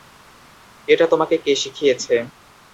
এটা তোমাকে কে শিখিয়েছে?